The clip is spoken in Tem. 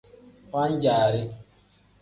Wan-jaari.